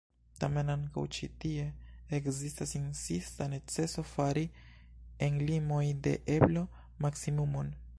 Tamen ankaŭ ĉi tie ekzistas insista neceso fari en limoj de eblo maksimumon.